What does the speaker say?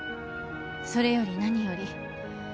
それより何より